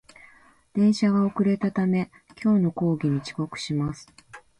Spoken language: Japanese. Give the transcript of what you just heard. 電車が遅れたため、今日の講義に遅刻します